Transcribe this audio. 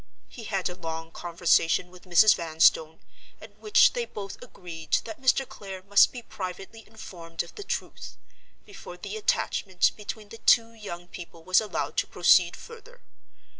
He had a long conversation with Mrs. Vanstone, at which they both agreed that Mr. Clare must be privately informed of the truth, before the attachment between the two young people was allowed to proceed further.